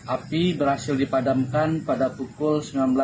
api berhasil dipadamkan pada pukul sembilan belas dua puluh lima